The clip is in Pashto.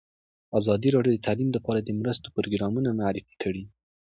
ازادي راډیو د تعلیم لپاره د مرستو پروګرامونه معرفي کړي.